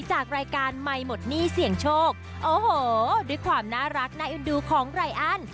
จากรายการใหม่หมดหนี้เสี่ยงโชคโอ้โหด้วยความน่ารักน่าเอ็นดูของไรอัน